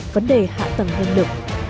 vấn đề hạ tầng hơn lực